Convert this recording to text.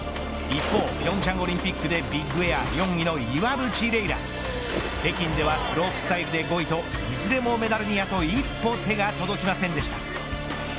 一方平昌オリンピックでビッグエア４位の岩渕麗楽北京ではスロープスタイルで５位といずれもメダルにあと一歩手が届きませんでした。